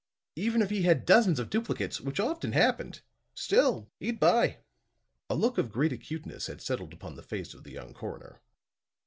Even if he had dozens of duplicates, which often happened; still he'd buy." A look of great acuteness had settled upon the face of the young coroner.